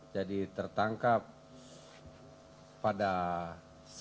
jadi tertangkap tangan itu